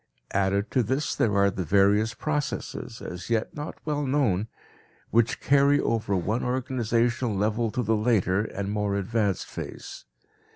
Added to this there are the various processes, as yet not well known, which carry over one organization level to the later and more advanced phase.